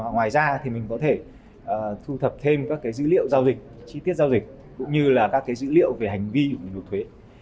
ngoài ra thì mình có thể thu thập thêm các dữ liệu giao dịch chi tiết giao dịch cũng như là các cái dữ liệu về hành vi của người nộp thuế